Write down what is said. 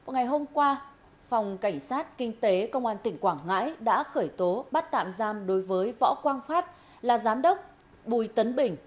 ngày hôm qua phòng cảnh sát kinh tế công an tỉnh quảng ngãi đã khởi tố bắt tạm giam đối với võ quang phát là giám đốc bùi tấn bình